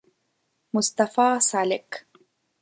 مصطفی سالک